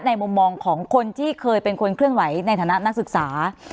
มุมมองของคนที่เคยเป็นคนเคลื่อนไหวในฐานะนักศึกษา